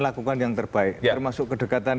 lakukan yang terbaik termasuk kedekatan